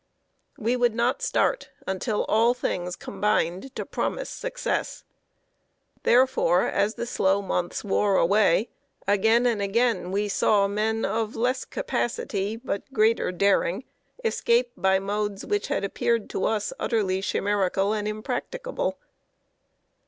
We would not start until all things combined to promise success. Therefore, as the slow months wore away, again and again we saw men of less capacity, but greater daring, escape by modes which had appeared to us utterly chimerical and impracticable.